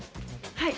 はい。